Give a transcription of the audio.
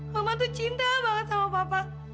mama tuh cinta banget sama papa